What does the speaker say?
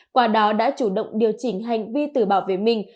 quả đó đã chủ động điều chỉnh hành vi tử bảo về mình